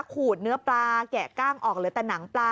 ขูดเนื้อปลา